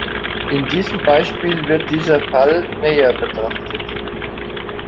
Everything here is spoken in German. In diesem Beispiel wird dieser Fall näher betrachtet.